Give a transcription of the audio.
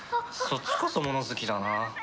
そっちこそ物好きだな。